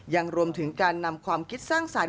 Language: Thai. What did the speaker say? รวมถึงการนำความคิดสร้างสรรค